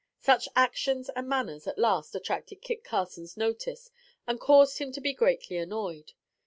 Such actions and manners, at last, attracted Kit Carson's notice and caused him to be greatly annoyed.